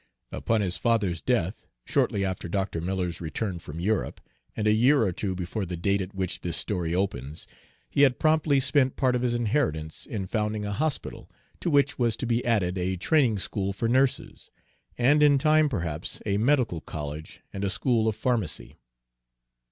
Upon his father's death, shortly after Dr. Miller's return from Europe, and a year or two before the date at which this story opens, he had promptly spent part of his inheritance in founding a hospital, to which was to be added a training school for nurses, and in time perhaps a medical college and a school of pharmacy.